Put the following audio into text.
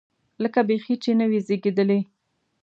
لکه بیخي چې نه وي زېږېدلی.